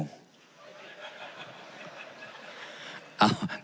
นั่งลงแล้วก็ยังขึ้นมาพูดอยู่